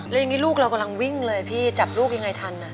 แล้วอย่างนี้ลูกเรากำลังวิ่งเลยพี่จับลูกยังไงทัน